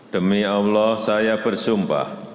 demi allah saya bersumpah